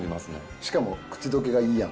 しかも口どけがいいやん。